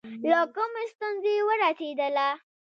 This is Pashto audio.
له کومې ستونزې ورسېدله.